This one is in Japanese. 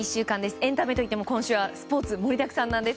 エンタメといっても今週はスポーツ盛りだくさんなんです。